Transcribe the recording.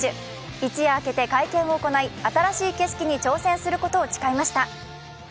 一夜明けて会見を行い新しい景色に挑戦することを誓いました。